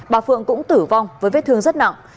bà phượng cũng tử vong với vết thương rất nặng